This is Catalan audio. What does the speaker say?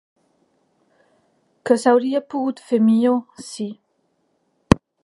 Que s’hauria pogut fer millor, sí.